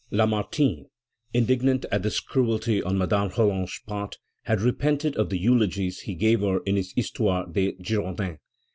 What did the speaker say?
Lamartine, indignant at this cruelty on Madame Roland's part, has repented of the eulogies he gave her in his Histoire des Girondins.